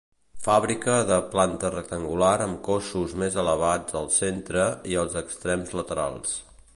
Fàbrica de planta rectangular amb cossos més elevats al centre i als extrems laterals.